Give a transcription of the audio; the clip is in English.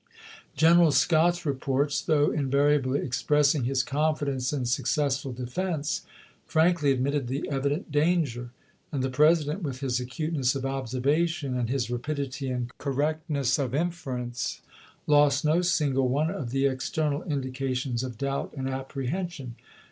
General Scott's reports, though invariably expressing his confi dence in successful defense, frankly admitted the evident danger ; and the President, with his acute ness of observation and his rapidity and correct ness of inference, lost no single one of the external indications of doubt and apprehension.